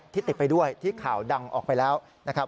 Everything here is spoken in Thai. ติดไปด้วยที่ข่าวดังออกไปแล้วนะครับ